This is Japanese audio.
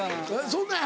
そんなや。